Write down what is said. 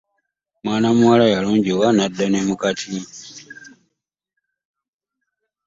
Mwana muwala yalungiwa n'adda ne mu kati.